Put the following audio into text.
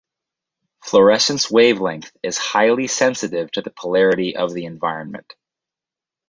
Fluorescence wavelength is highly sensitive to the polarity of the environment.